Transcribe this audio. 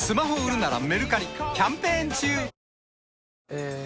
え